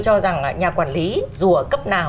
cho rằng nhà quản lý dù ở cấp nào